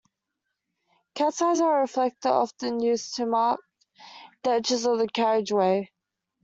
Cats eyes are a reflector often used to mark the edges of the carriageway